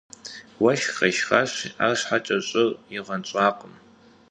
Уэшх къешхащ, арщхьэкӏэ щӏыр игъэнщӏакъым.